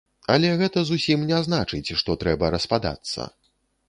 Але гэта зусім не значыць, што трэба распадацца.